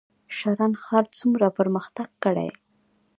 شرن ښار څومره پرمختګ کړی؟